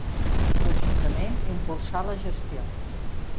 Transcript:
L'Ajuntament impulsà les gestions.